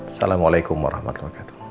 assalamualaikum warahmatullahi wabarakatuh